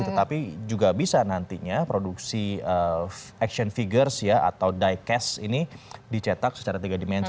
tetapi juga bisa nantinya produksi action figures atau diecast ini dicetak secara tiga dimensi